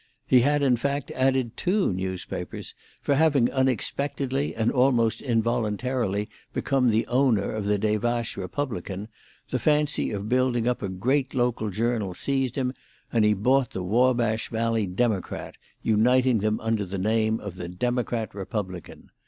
He had, in fact, added two newspapers; for having unexpectedly and almost involuntarily become the owner of the Des Vaches Republican, the fancy of building up a great local journal seized him, and he bought the Wabash Valley Democrat, uniting them under the name of the Democrat Republican.